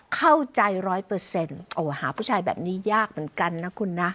เข้าใจร้อยเปอร์เซ็นต์โอ้หาผู้ชายแบบนี้ยากเหมือนกันนะคุณนะ